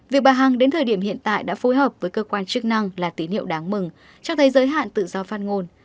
việc bà hằng đến thời điểm hiện tại đã phối hợp với cơ quan chức năng là tín hiệu đáng mừng cho thấy giới hạn tự do phát ngôn